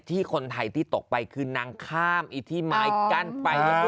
ที่คนไทยที่ตกไปคือนางข้ามไอ้ที่ไม้กั้นไป